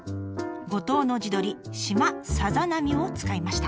五島の地鶏島さざなみを使いました。